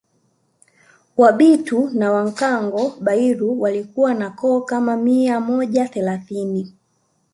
Wabito na Wankango Bairu walikuwa na koo kama mia moja thelathini